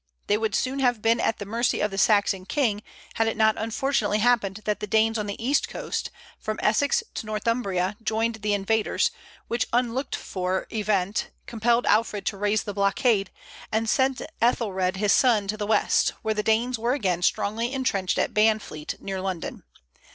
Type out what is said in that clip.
They would soon have been at the mercy of the Saxon king, had it not unfortunately happened that the Danes on the east coast, from Essex to Northumbria, joined the invaders, which unlooked for event compelled Alfred to raise the blockade, and send Ethelred his son to the west, where the Danes were again strongly intrenched at Banfleet, near London.